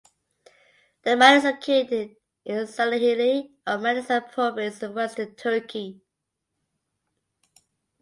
The mine is located in Salihli of Manisa Province in western Turkey.